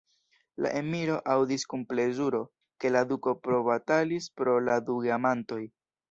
La emiro aŭdis kun plezuro, ke la duko probatalis pro la du geamantoj.